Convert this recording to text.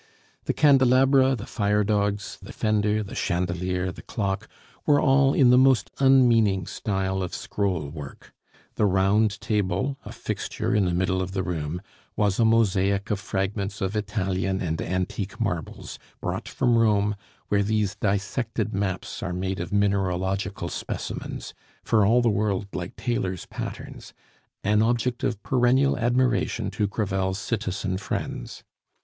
The candelabra, the fire dogs, the fender, the chandelier, the clock, were all in the most unmeaning style of scroll work; the round table, a fixture in the middle of the room, was a mosaic of fragments of Italian and antique marbles, brought from Rome, where these dissected maps are made of mineralogical specimens for all the world like tailors' patterns an object of perennial admiration to Crevel's citizen friends.